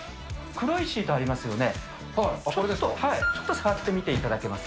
黒いシートありますよね。